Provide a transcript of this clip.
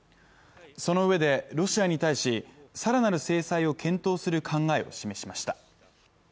そのうえで、ロシアに対し、更なる制裁を検討する考えを示しました。